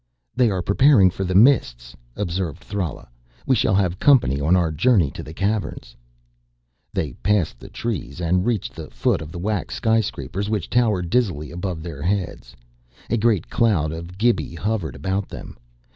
"They are preparing for the Mists," observed Thrala. "We shall have company on our journey to the Caverns." They passed the trees and reached the foot of the wax skyscrapers which towered dizzily above their heads. A great cloud of the Gibi hovered about them.